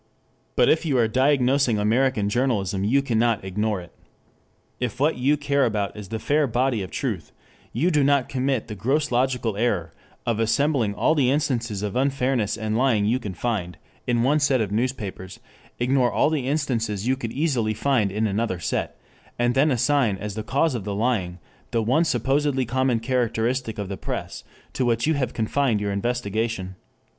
But if you are diagnosing American journalism you cannot ignore it. If what you care about is "the fair body of truth," you do not commit the gross logical error of assembling all the instances of unfairness and lying you can find in one set of newspapers, ignore all the instances you could easily find in another set, and then assign as the cause of the lying, the one supposedly common characteristic of the press to which you have confined your investigation.